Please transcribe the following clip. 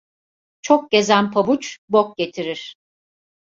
Çok gezen pabuç, bok getirir.